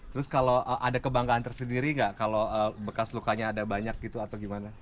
terus kalau ada kebanggaan tersendiri nggak kalau bekas lukanya ada banyak gitu atau gimana